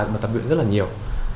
bà tập luyện rất là nhiều